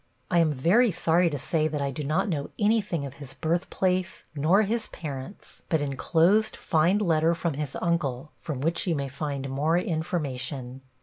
I am very sorry to say that I do not know anything of his birthplace, nor his parents, but enclosed find letter from his uncle, from which you may find more information.